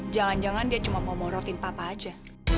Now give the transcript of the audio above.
jangan jangan dia cuma mau morotin papa aja